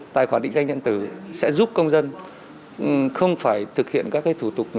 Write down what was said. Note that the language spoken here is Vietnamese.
tài khoản định danh điện tử sẽ giúp công dân không phải thực hiện các thủ tục